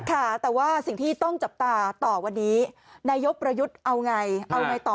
ค่ะแต่ว่าสิ่งที่ต้องจับตาต่อวันนี้นายกประยุทธ์เอาไงเอาไงต่อ